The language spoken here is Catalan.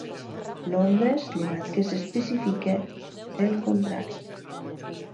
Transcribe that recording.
Londres, llevat que s'especifiqui el contrari.